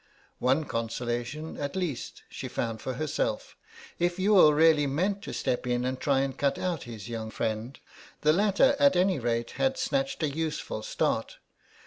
One consolation, at least, she found for herself: if Youghal really meant to step in and try and cut out his young friend, the latter at any rate had snatched a useful start.